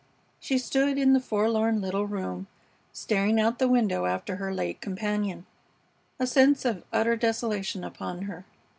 She stood in the forlorn little room staring out of the window after her late companion, a sense of utter desolation upon her.